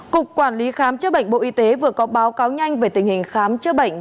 cục quản lý khám chữa bệnh bộ y tế vừa có báo cáo nhanh về tình hình khám chữa bệnh